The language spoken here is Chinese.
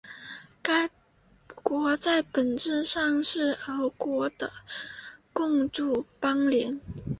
该国在本质上是俄国的共主邦联。